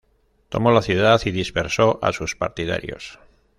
Tomó la ciudad y dispersó a sus partidarios.